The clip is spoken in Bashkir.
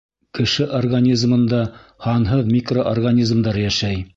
Кеше организмында һанһыҙ микроорганизмдар йәшәй.